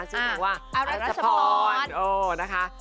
ชื่อเรียกว่าอารัชพรอารัชพรโอ้นะคะ